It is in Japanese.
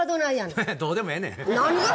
何がどうでもええねん。